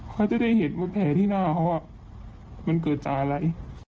เขาจะได้เห็นว่าแผลที่หน้าเขามันเกิดจากอะไร